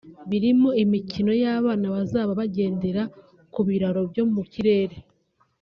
birimo imikino y’abana bazaba bagendera ku biraro byo mu kirere